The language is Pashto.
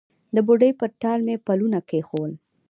د بوډۍ پر ټال مې پلونه کښېښول